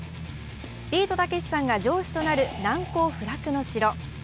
ビートたけしさんが城主となる難攻不落の城。